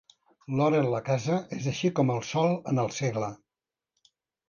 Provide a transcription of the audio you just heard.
L'or en la casa és així com el sol en el segle.